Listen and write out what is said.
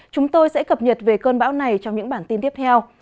chúng tôi sẽ cập nhật về cơn bão này trong những bản tin tiếp theo